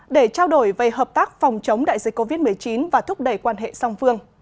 để trao đổi về hợp tác phòng chống đại dịch covid một mươi chín và thúc đẩy quan hệ song phương